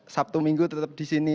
sabtu minggu tetap disini